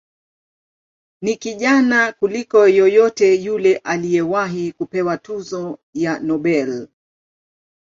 Ni kijana kuliko yeyote yule aliyewahi kupewa tuzo ya Nobel.